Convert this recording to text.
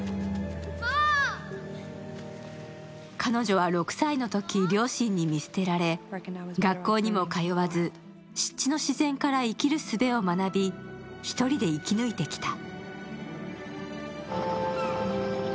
彼女は６歳のとき、両親に見捨てられ学校にも通わず湿地の自然から生きるすべを学び、一人で生き抜いてきた。